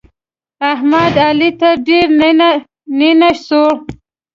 احمد؛ علي ته ډېر نينه نينه سو.